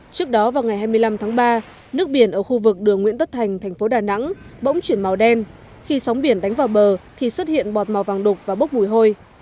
trước đó vào ngày hai mươi năm tháng ba nước biển ở khu vực đường nguyễn tất thành thành phố đà nẵng bỗng chuyển màu đen khi sóng biển đánh vào bờ thì xuất hiện bọt màu vàng đục và bốc mùi hôi